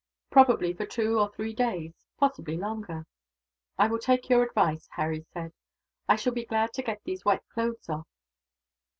"Probably for two or three days, possibly longer." "I will take your advice," Harry said. "I shall be glad to get these wet clothes off."